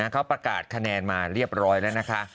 เขาประกาศคะแนนมาเรียบร้อยแล้วนะคะ